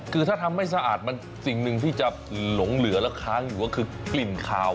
คือถ้าทำไม่สะอาดมันสิ่งหนึ่งที่จะหลงเหลือแล้วค้างอยู่ก็คือกลิ่นคาว